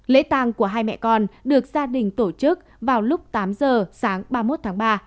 lễ tàng của hai mẹ con được gia đình tổ chức vào lúc tám giờ sáng ba mươi một tháng ba